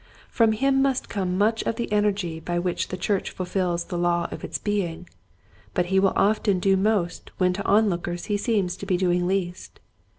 From him must come much of the energy by which the church fulfills the law of its being, but he will often do most when to onlookers he seems to be doing least.